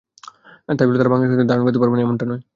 তাই বলে তাঁরা বাংলা সাহিত্যকে ধারণ করতে পারবে না, এমনটা নয়।